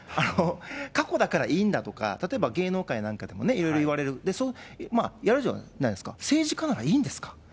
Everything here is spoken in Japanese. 過去だからいいんだとか、例えば芸能界なんかでもいろいろいわれる、やるじゃないですか、政治家ならいいんですか。